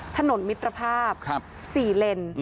ถนนมิตรภาพสี่เล่น